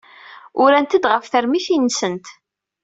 Urant-d ɣef termitin-nsent.